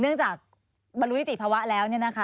เนื่องจากบรรลุทิติภาวะแล้ว